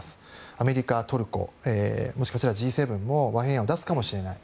アメリカ、トルコ、もしかしたらＧ７も和平案を出すかもしれない。